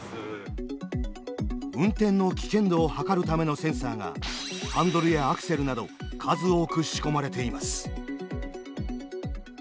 運転の危険度を測るためのセンサーがハンドルやアクセルなど数多く仕込まれています。